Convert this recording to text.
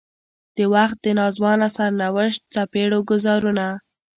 د وخت د ناځوانه سرنوشت څپېړو ګوزارونه.